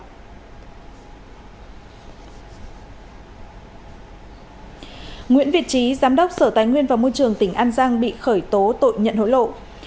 nguyễn việt trí giám đốc sở tài nguyên và môi trường tỉnh an giang bị khởi tố tội nhận hối lộ